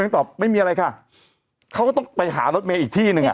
ตอบไม่มีอะไรค่ะเขาก็ต้องไปหารถเมย์อีกที่หนึ่งอ่ะ